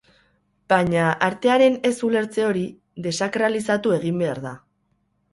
Baina, artearen ez-ulertze hori desakralizatu egin behar da.